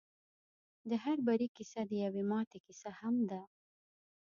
د هر بري کيسه د يوې ماتې کيسه هم ده.